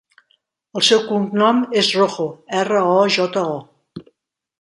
El seu cognom és Rojo: erra, o, jota, o.